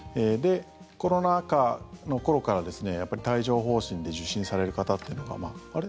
コロナ禍の頃から帯状疱疹で受診される方っていうのがあれ？